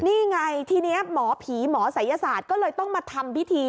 นี่ไงทีนี้หมอผีหมอศัยศาสตร์ก็เลยต้องมาทำพิธี